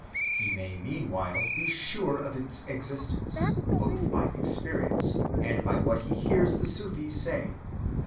He may meanwhile be sure of its existence, both by experience and by what he hears the Sufis say.